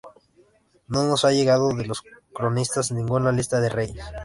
No nos ha llegado de los cronistas ninguna lista de reyes.